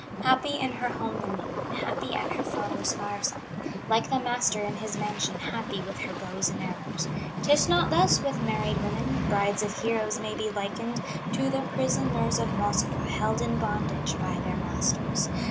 "Happy in her home, the maiden, Happy at her father's fireside, Like the master in his mansion, Happy with her bows and arrows. 'Tis not thus with married women; Brides of heroes may be likened To the prisoners of Moskva, Held in bondage by their masters.